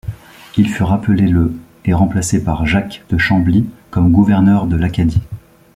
Il fut rappelé le et remplacé par Jacques de Chambly comme gouverneur de l'Acadie.